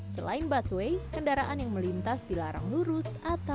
selain busway kendaraan yang melintas dilarang lurus atau berlintas